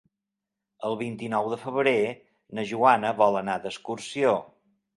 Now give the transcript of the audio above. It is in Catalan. El vint-i-nou de febrer na Joana vol anar d'excursió.